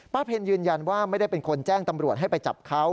เพ็ญยืนยันว่าไม่ได้เป็นคนแจ้งตำรวจให้ไปจับเขา